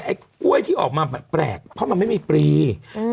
ไอ้กล้วยที่ออกมาแปลกเพราะมันไม่มีปรีอืม